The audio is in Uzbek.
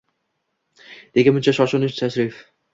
– nega buncha shoshilinch tashrif